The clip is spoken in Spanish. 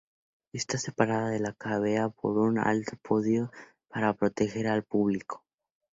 Está separada de la cávea por un alto podio para proteger al público.